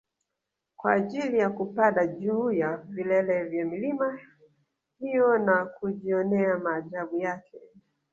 kwa ajili ya kupada juu ya vilele vya milima hiyo na kujionea maajabu yake